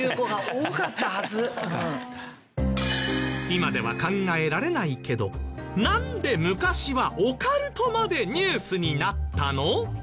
今では考えられないけどなんで昔はオカルトまでニュースになったの？